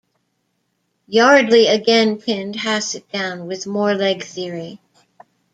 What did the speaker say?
Yardley again pinned Hassett down with more leg theory.